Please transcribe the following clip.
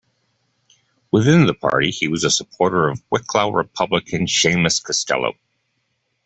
Within the party he was a supporter of Wicklow Republican Seamus Costello.